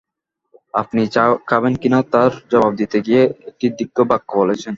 আপনি চা খাবেন কি না, তার জবাব দিতে গিয়ে একটি দীর্ঘ বাক্য বলেছেন।